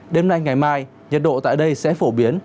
đêm nay ngày mai nhiệt độ tại đây sẽ phổ biến